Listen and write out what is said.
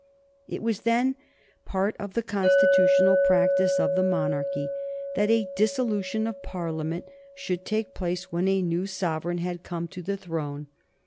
It was then part of the constitutional practice of the monarchy that a dissolution of Parliament should take place when a new sovereign had come to the throne.